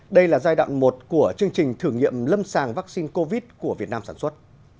đây là giai đoạn một của chương trình thử nghiệm lâm sàng vaccine covid của việt nam sản xuất